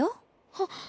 はっ。